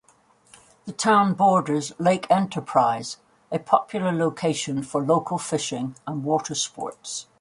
The town borders Lake Enterprise, a popular location for local fishing and watersports.